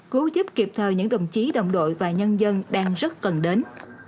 cứu giúp kịp thời những đồng chí đồng đội và nhân dân đang rất cần đến